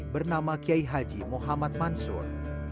bernama kiai haji muhammad mansur